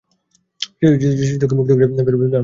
চিত্তকে মুক্ত করে দিলেই আমরা আর বল পাই নে।